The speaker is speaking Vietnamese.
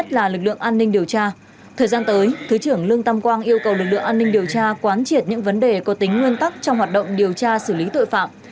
thời gian tới thứ trưởng lương tam quang yêu cầu lực lượng an ninh điều tra quán triệt những vấn đề có tính nguyên tắc trong hoạt động điều tra xử lý tội phạm